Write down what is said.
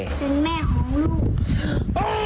เป็นแม่ของลูก